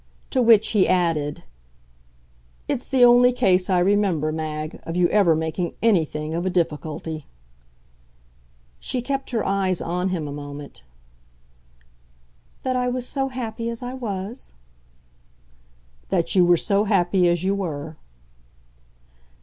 To which he added: "It's the only case I remember, Mag, of you ever making ANYTHING of a difficulty." She kept her eyes on him a moment. "That I was so happy as I was?" "That you were so happy as you were."